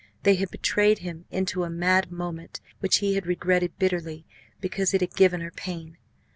They had betrayed him into a mad moment, which he had regretted bitterly because it had given her pain.